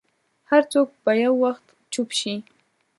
هر څوک به یو وخت چوپ شي.